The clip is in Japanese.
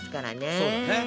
そうだね。